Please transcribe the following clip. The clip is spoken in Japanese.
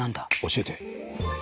教えて。